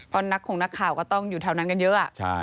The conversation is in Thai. เพราะนักของนักข่าวก็ต้องอยู่แถวนั้นกันเยอะ